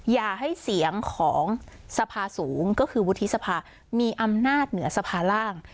อย่าให้เสียงของสภาสูงก็คือวุฒิสภามีอำนาจเหนือสภาล่าง